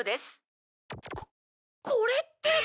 ここれって。